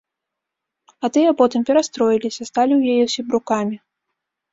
А тыя потым перастроіліся, сталі ў яе сябрукамі.